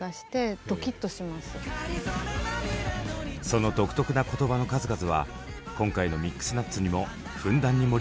その独特な言葉の数々は今回の「ミックスナッツ」にもふんだんに盛り込まれています。